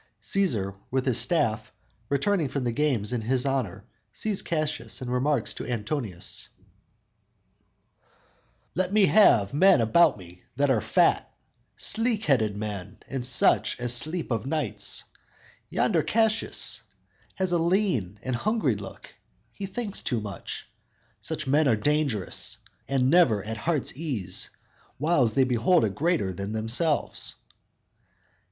Cæsar, with his staff, returning from the games in his honor, sees Cassius and remarks to Antonius: _"Let me have men about me that are fat; Sleek headed men and such as sleep of nights; Yonder Cassius has a lean and hungry look; He thinks too much; such men are dangerous; And are never at heart's ease Whiles they behold a greater than themselves!"